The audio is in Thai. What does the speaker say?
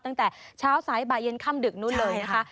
ตั้งแต่เช้าสายบ่ายเย็นค่ำดึกนู้นเลยนะคะ